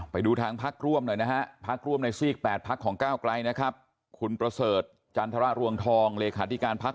มันก็เป็นเรื่องที่ค่อนข้างที่จะลำบากนะคะ